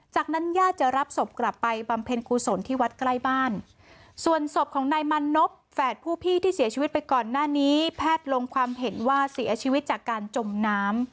จากนั้นญาติจะรับศพกลับไปบำเพ็ญกุศลที่วัดใกล้บ้านส่วนศพของนายมันนบแฝดผู้พี่ที่เสียชีวิตไปก่อนหน้านี้แพทย์ลงความเห็นว่าเสียชีวิตจากการจมน้ำ